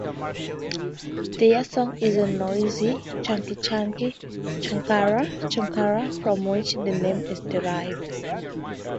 Their song is a noisy "chuck-chuck-chukar-chukar" from which the name is derived.